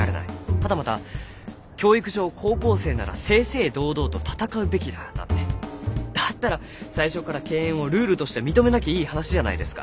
はたまた「教育上高校生なら正々堂々と戦うべきだ」なんてだったら最初から敬遠をルールとして認めなきゃいい話じゃないですか。